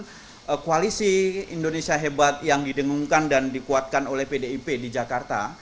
secara politik saya kira itu sudah akan mudah karena bagaimanapun koalisi indonesia hebat yang didengungkan dan dikuatkan oleh pdip di jakarta